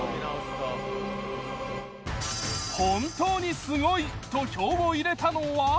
本当にスゴいと票を入れたのは。